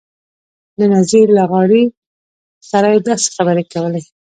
له نذیر لغاري سره یې داسې خبرې کولې.